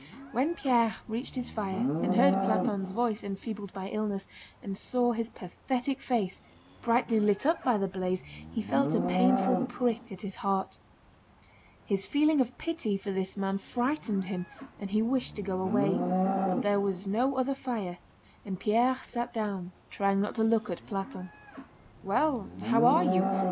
When Pierre reached the fire and heard Platón's voice enfeebled by illness, and saw his pathetic face brightly lit up by the blaze, he felt a painful prick at his heart. His feeling of pity for this man frightened him and he wished to go away, but there was no other fire, and Pierre sat down, trying not to look at Platón. "Well, how are you?"